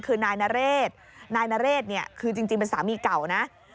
คือนายนเรศนายนเรศเนี่ยคือจริงเป็นสามีเก่านะ